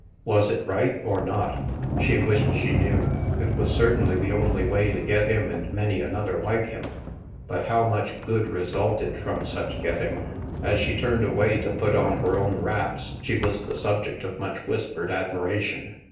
Was it right, or not ? She wished she knew. It was certainly the only way to get him and many another like him. But how much good resulted from such getting? As she turned away to put on her own wraps, she was the subject of much whispered admira tion.